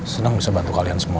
senang bisa bantu kalian semua